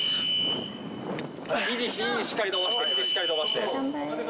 肘しっかり伸ばして肘しっかり伸ばして。